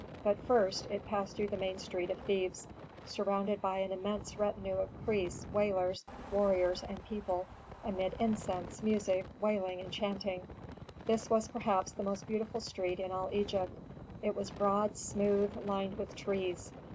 But first it passed through the main street of Thebes surrounded by an immense retinue of priests, wailers, warriors, and people, amid incense, music, wailing and chanting. This was perhaps the most beautiful street in all Egypt. It was broad, smooth, lined with trees.